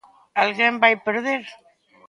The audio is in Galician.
Alguén vai perder.